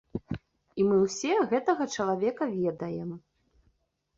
І мы ўсе гэтага чалавека ведаем.